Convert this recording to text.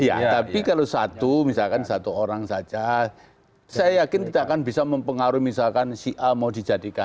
iya tapi kalau satu misalkan satu orang saja saya yakin tidak akan bisa mempengaruhi misalkan si a mau dijadikan